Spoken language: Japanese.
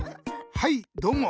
はいどうも。